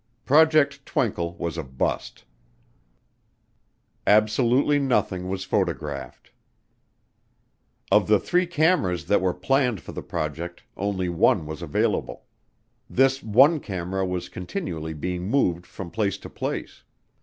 Project Twinkle was a bust. Absolutely nothing was photographed. Of the three cameras that were planned for the project, only one was available. This one camera was continually being moved from place to place.